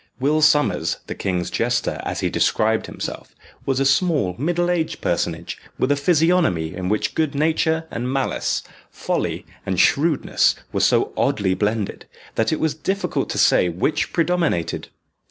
Will Sommers the king's jester, as he described himself was a small middle aged personage, with a physiognomy in which good nature and malice, folly and shrewdness, were so oddly blended, that it was difficult to say which predominated.